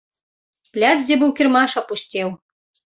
Пляц, дзе быў кірмаш, апусцеў.